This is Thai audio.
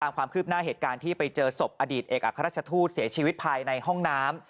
ความคืบหน้าเหตุการณ์ที่ไปเจอศพอดีตเอกอัครราชทูตเสียชีวิตภายในห้องน้ำ